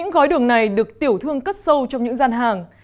những gói đường này được tiểu thương cất sâu trong những gian hàng